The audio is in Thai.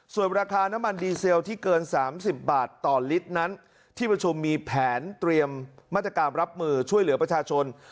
ส่วนราคาน้ำมันดีเซลที่เกิน๓๐บาทต่อลิตรนั้นที่ประชุมมีแผนเตรียมมาตรการรับมือช่วยเหลือประชาชน